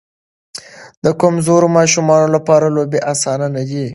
د کمزورو ماشومانو لپاره لوبې اسانه نه دي.